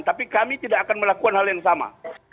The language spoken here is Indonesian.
tapi kami tidak akan melakukan hal yang sama